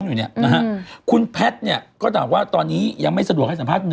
อยู่เนี่ยนะฮะคุณแพทย์เนี่ยก็ด่าว่าตอนนี้ยังไม่สะดวกให้สัมภาษณ์